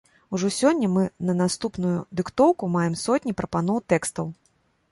Ужо сёння мы на наступную дыктоўку маем сотні прапаноў тэкстаў!